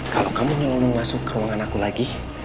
kalau kamu nyolong masuk ke ruangan aku lagi